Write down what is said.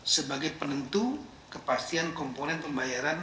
sebagai penentu kepastian komponen pembayaran